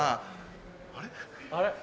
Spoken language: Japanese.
あれ？